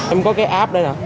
em có cái app đấy nọ